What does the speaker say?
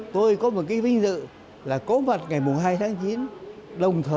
tôi có một cái vinh dự là có mặt ngày hai tháng chín